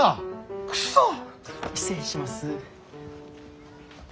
失礼します。